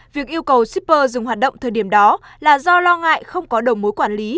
việc yêu cầu shipper dùng hoạt động thời điểm đó là do lo ngại không có đầu mối quản lý